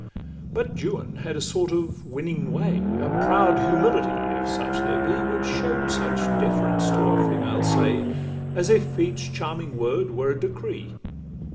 But Juan had a sort of winning way, A proud humility, if such there be, Which show'd such deference to what females say, As if each charming word were a decree.